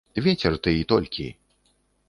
Вецер ты, і толькі.